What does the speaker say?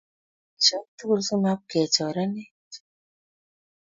Ker dirishok tugul si mapkechorenech